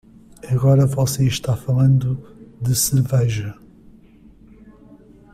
Agora você está falando de cerveja!